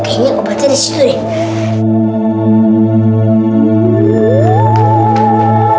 kayaknya obatnya disitu deh